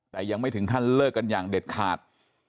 แต่ยังไม่ถึงขั้นเลิกกันอย่างเด็ดขาด